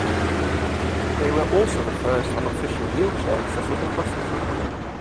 They were also the first unofficial wheelchair-accessible buses.